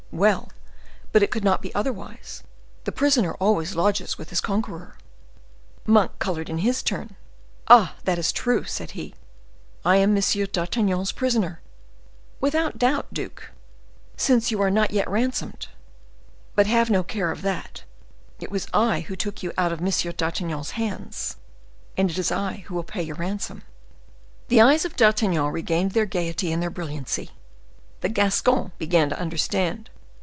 "Well! but it could not be otherwise—the prisoner always lodges with his conqueror." Monk colored in his turn. "Ah! that is true," said he; "I am M. d'Artagnan's prisoner." "Without doubt, duke, since you are not yet ransomed; but have no care of that; it was I who took you out of M. d'Artagnan's hands, and it is I who will pay your ransom." The eyes of D'Artagnan regained their gayety and their brilliancy. The Gascon began to understand.